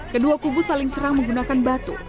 kedua kubu saling serang menggunakan batu